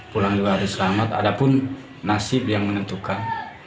pulang juga harus selamat adapun nasib yang menentukan